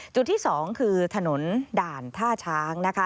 จุดที่๒คือถนนด่านท่าช้างนะคะ